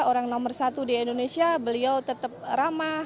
orang nomor satu di indonesia beliau tetap ramah